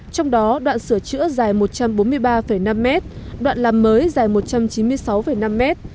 trong đó đoạn sửa chữa dài một trăm bốn mươi ba năm mét đoạn làm mới dài một trăm chín mươi sáu năm mét